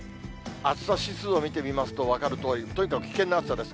暑さ指数を見てみますと分かるとおり、とにかく危険な暑さです。